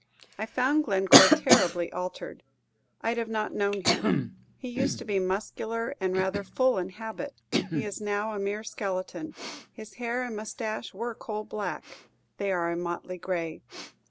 I found Glencore terribly altered; I 'd not have known him. He used to be muscular and rather full in habit; he is now a mere skeleton. His hair and mustache were coal black; they are a motley gray.